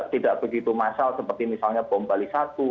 tidak begitu massal seperti misalnya bom bali satu